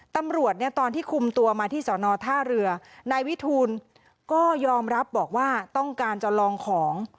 ตำรวจเนี่ยตอนที่คุมตัวมาที่สอนอท่าเรือนายวิทูลก็ยอมรับบอกว่าต้องการจะลองของ